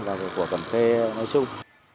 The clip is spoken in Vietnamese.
và của vận cẩm khê nói chung